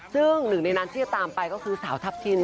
ซึ่งหนึ่งในนั้นที่จะตามไปก็คือสาวทัพทิน